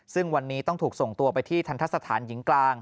ซึ่งวันนี้ต้องถูกส่งตัวไปที่ทันทะสถานหญิงกลาง